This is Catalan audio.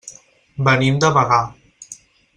Venim de Bagà.